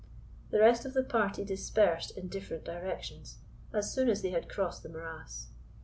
The rest of the party dispersed in different directions, as soon as they had crossed the morass.